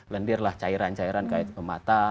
lendir lah cairan cairan kayak mata